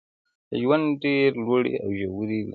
ژوند ډېري لوړي او ژوري لري.